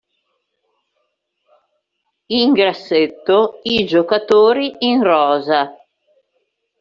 In grassetto, i giocatori in rosa.